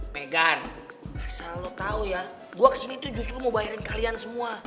pegan asal lo tau ya gue kesini tuh justru mau bayarin kalian semua